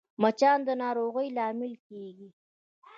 مچان د ناروغیو لامل کېږي